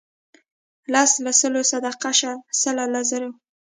لس له سلو صدقه شه سل له زرو.